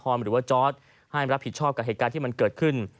หรือว่าจอร์ดให้รับผิดชอบกับเหตุการณ์ที่มันเกิดขึ้น